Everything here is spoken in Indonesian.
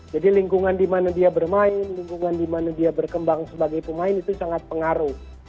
jadi lingkungan di mana dia bermain lingkungan di mana dia berkembang sebagai pemain itu sangat pengaruh